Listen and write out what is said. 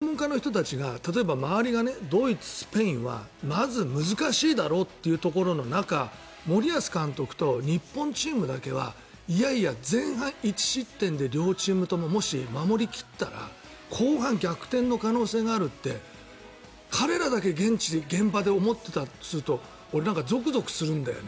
だから、それを専門家の人たちが例えば周りがドイツ、スペインはまず難しいだろうというところの中森保監督と日本チームだけはいやいや、前半１失点で両チームとももし守り切ったら後半、逆転の可能性があるって彼らだけ現場で思っていたとすると俺なんか、ゾクゾクするんだよね。